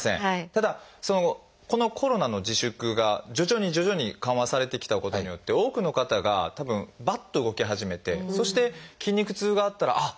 ただこのコロナの自粛が徐々に徐々に緩和されてきたことによって多くの方がたぶんバッと動き始めてそして筋肉痛があったらあっ